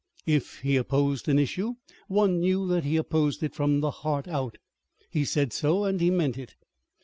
If he opposed an issue, one knew that he opposed it from the heart out. He said so and he meant it.